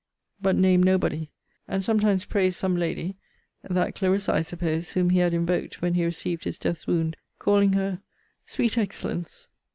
but named nobody. And sometimes praised some lady, (that Clarissa, I suppose, whom he had invoked when he received his death's wound,) calling her Sweet Excellence!